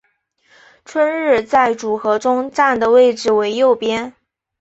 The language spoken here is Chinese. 春日在组合中站的位置为右边。